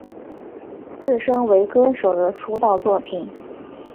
自身为歌手的出道作品。